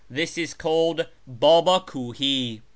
This is called Bdbd Kuld.